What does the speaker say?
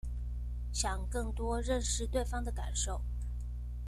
想更多認識對方的感受